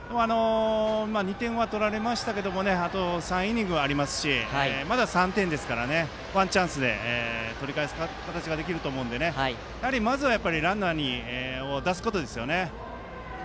２点は取られましたけどあと３イニングはありますしまだ３点ですからワンチャンスで取り返す形ができると思うのでまずはランナーを出すことですね。